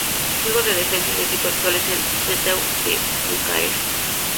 Juega de defensa y su equipo actual es el Steaua de Bucarest.